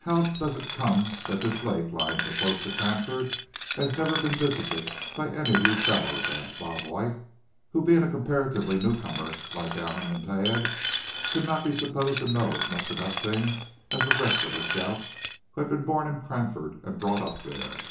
"How does it come that this lake, lying so close to Cranford, has never been visited by any of you fellows?" asked Bob White, who, being a comparative newcomer, like Allan and Thad, could not be supposed to know as much about things as the rest of the scouts, who had been born in Cranford, and brought up there.